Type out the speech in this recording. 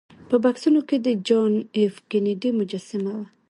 په بکسونو کې د جان ایف کینیډي مجسمه وه